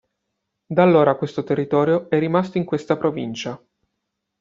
Da allora questo territorio è rimasto in questa provincia.